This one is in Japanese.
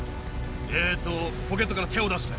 えーと、ポケットから手を出して。